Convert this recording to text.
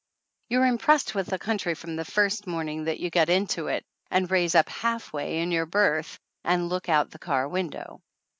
You're impressed with the country from the first morning that you get into it and raise up (half way) in your berth and look out the car window.